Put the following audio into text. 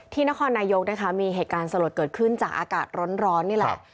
นครนายกนะคะมีเหตุการณ์สลดเกิดขึ้นจากอากาศร้อนนี่แหละ